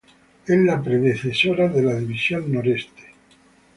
Es la predecesora de la División Noreste.